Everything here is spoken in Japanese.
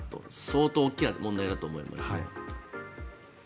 相当大きな問題だと思います。